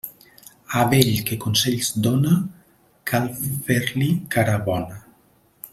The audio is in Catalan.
A vell que consells dóna, cal fer-li cara bona.